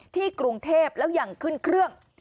กรุงเทพแล้วยังขึ้นเครื่อง